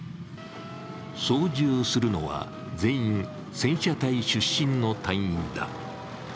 操縦するのは全員戦車隊出身の隊員だ。